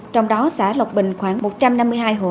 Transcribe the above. trong đó xã lộc bình khoảng một trăm năm mươi hai hộ